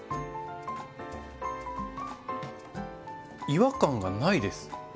違和感がないです。